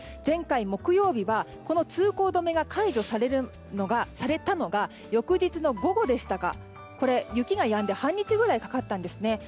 前回、木曜日はこの通行止めが解除されたのが翌日の午後でしたがこれ、雪がやんで半日ぐらいかかったんですね。